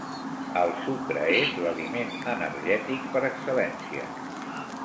El sucre és l'aliment energètic per excel·lència.